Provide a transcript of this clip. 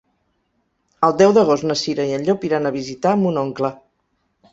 El deu d'agost na Cira i en Llop iran a visitar mon oncle.